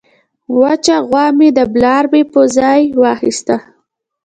وچه غوا مې د بلاربې په ځای واخیسته.